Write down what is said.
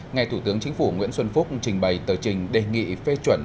ngay thủ tướng chính phủ nguyễn xuân phúc trình bày tờ trình đề nghị phê chuẩn